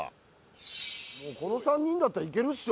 この３人だったら、いけるっしょ。